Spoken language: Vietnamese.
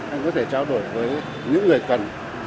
anh có thể trao đổi với những người cần